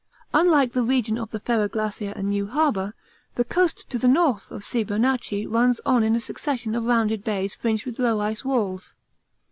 Unlike the region of the Ferrar Glacier and New Harbour, the coast to the north of C. Bernacchi runs on in a succession of rounded bays fringed with low ice walls.